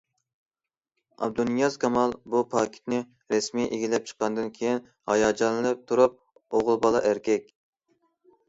ئابدۇنىياز كامال بۇ پاكىتنى رەسمىي ئىگىلەپ چىققاندىن كېيىن ھاياجانلىنىپ تۇرۇپ:- ئوغۇل بالا، ئەركەك!